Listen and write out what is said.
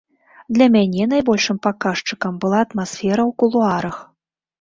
Для мяне найбольшым паказчыкам была атмасфера ў кулуарах.